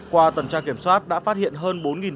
qua tần tra kiểm soát đã phát hiện hơn bốn hai trăm linh